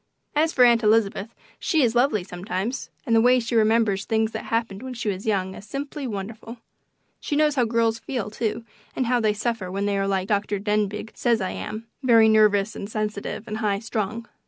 As for Aunt Elizabeth, she is lovely sometimes, and the way she remembers things that happened when she was young is simply wonderful. She knows how girls feel, too, and how they suffer when they are like Dr. Denbigh says I am very nervous and sensitive and high strung.